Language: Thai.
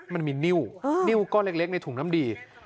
มันมีนิ้วก็เล็กในถุงน้ำดี